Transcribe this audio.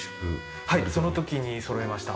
はいその時にそろえました。